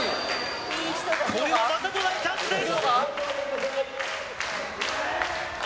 これはまたとないチャンスです！